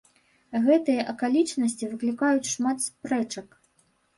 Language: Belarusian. Гэтыя акалічнасці выклікаюць шмат спрэчак.